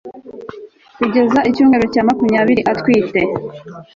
kugeza icyumweru cya makumyabiri atwite